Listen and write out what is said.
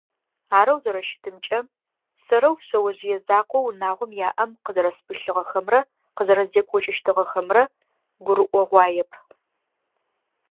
Арэу зэрэщытымкӏэ, сэрэу шъэожъые закъоу унагъом яӏэм къызэрэспылъыгъэхэмрэ къызэрэздекӏокӏыщтыгъэхэмрэ гурыӏогъуаеп.